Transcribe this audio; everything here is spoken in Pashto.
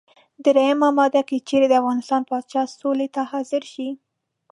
دریمه ماده: که چېرې د افغانستان پاچا سولې ته حاضر شي.